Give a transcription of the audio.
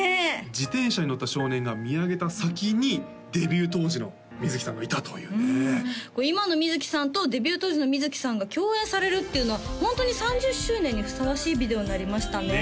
自転車に乗った少年が見上げた先にデビュー当時の観月さんがいたというね今の観月さんとデビュー当時の観月さんが共演されるっていうのはホントに３０周年にふさわしいビデオになりましたねね